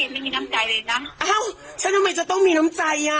ไม่มีน้ำใจเลยนะอ้าวฉันทำไมจะต้องมีน้ำใจอ่ะ